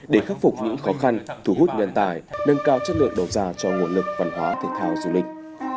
để khắc phục những khó khăn thú hút nhân tài nâng cao chất lượng đột ra cho nguồn lực văn hóa thịt thao du lịch